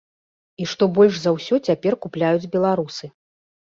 І што больш за ўсё цяпер купляюць беларусы.